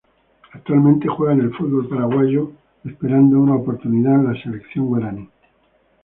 Actualmente juega en el fútbol paraguayo esperando una oportunidad en la Selección guaraní.